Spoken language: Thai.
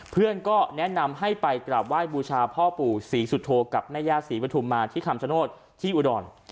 เพื่อนก็แนะนำให้ไปกราบไหว้บูชาพ่อปู่ศรีสุโธกับแม่ย่าศรีปฐุมมาที่คำชโนธที่อุดร